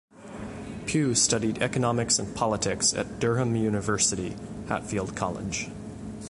Pugh studied Economics and Politics at Durham University (Hatfield College).